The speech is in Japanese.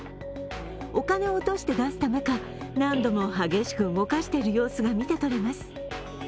お金を落として出すためか、何度も激しく動かしている様子が見てとれます。